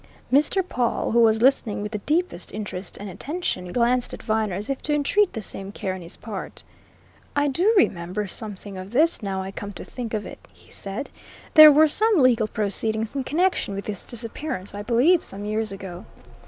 Mr. Pawle, who was listening with the deepest interest and attention, glanced at Viner as if to entreat the same care on his part. "I do remember something of this, now I come to think of it," he said. "There were some legal proceedings in connection with this disappearance, I believe, some years ago."